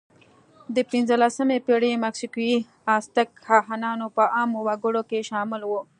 د پینځلسمې پېړۍ مکسیکويي آزتک کاهنان په عامو وګړو کې شامل وو.